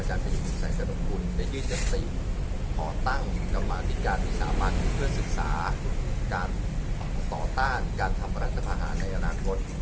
อาจารย์ผู้ชมแสนกรรมคุณได้ยืนจัดสินขอตั้งกับมาที่การมีสามารถที่เพื่อศึกษาการต่อต้านการทำรัฐภาษณ์ในอนาคต